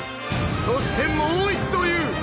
そしてもう一度言う。